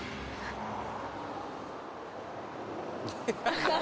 「ハハハハ！」